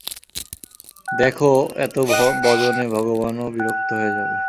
দেখো এতো বজনে ভগবান ও বিরক্ত হয়ে যাবে।